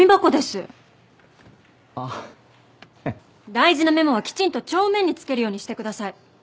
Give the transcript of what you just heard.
大事なメモはきちんと帳面につけるようにしてください。